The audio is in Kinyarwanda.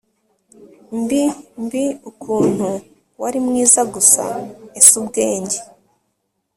mbi mbi ukuntu wari mwiza gusa ese ubwenge